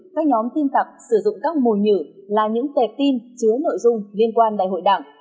các nhóm tin tặc sử dụng các mùi nhữ là những tẹp tin chứa nội dung liên quan đại hội đảng